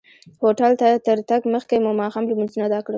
هوټل ته تر تګ مخکې مو ماښام لمونځونه ادا کړل.